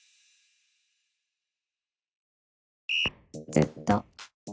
「ずっと」。